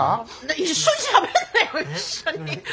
一緒にしゃべんなよ一緒に。